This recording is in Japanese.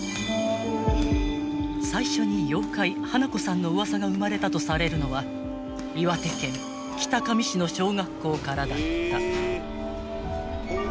［最初に妖怪花子さんの噂が生まれたとされるのは岩手県北上市の小学校からだった］